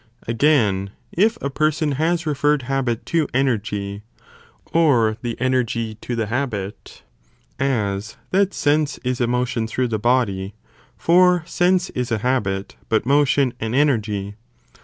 . Aaaln, if a person has referred habit to energy, or the energy to the habit,? as that sense is a (f'nsce re motion through the body, for sense is a habit, but stating the motion an energy.